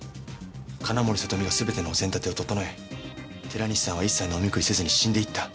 金森里美がすべてのお膳立てを整え寺西さんは一切飲み食いせずに死んでいった。